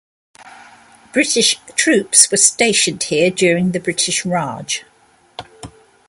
British troops were stationed here during the British Raj.